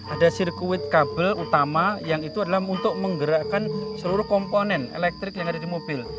ada sirkuit kabel utama yang itu adalah untuk menggerakkan seluruh komponen elektrik yang ada di mobil